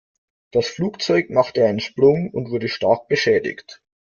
Das Flugzeug machte einen Sprung und wurde stark beschädigt.